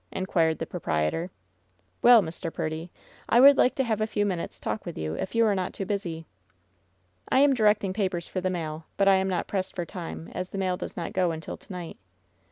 inquired the proprietor. "Well, Mr. Purdy, I would like to have a few minutes talk with you, if you are not too busy." "I am directing papers for the mail, but I am not pressed for time, as the mail does not go until to night."